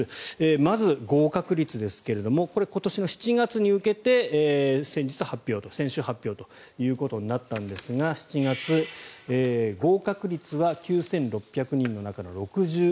まず、合格率ですがこれ、今年の７月に受けて先週発表となったんですが７月、合格率は９６００人の中の６６％。